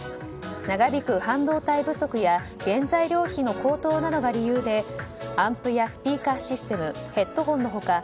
長引く半導体不足や原材料費の高騰などが理由でアンプやスピーカーシステムヘッドホンの他